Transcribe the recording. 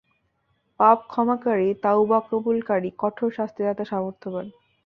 পাপ ক্ষমাকারী, তাওবা কবুলকারী, কঠোর শাস্তিদাতা, সামর্থ্যবান।